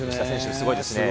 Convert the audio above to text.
すごいですね。